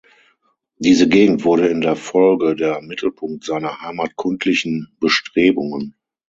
Diese Gegend wurde in der Folge der Mittelpunkt seiner heimatkundlichen Bestrebungen.